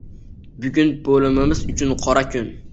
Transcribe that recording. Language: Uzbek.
Bugun bo`limimiz uchun qora kun